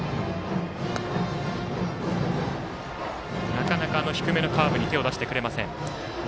なかなか、低めのカーブに手を出してくれません。